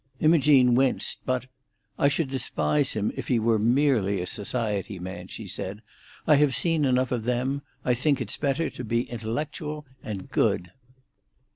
Imogene winced, but "I should despise him if he were merely a society man," she said. "I have seen enough of them. I think it's better to be intellectual and good."